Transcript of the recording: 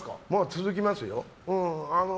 続きますよ。